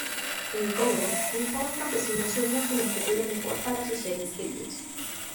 En Congo, un joven campesino sueña con un futuro mejor para sus seres queridos.